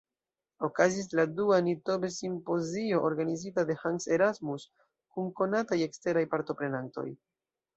Okazis la dua Nitobe-simpozio, organizata de Hans Erasmus, kun konataj eksteraj partoprenantoj.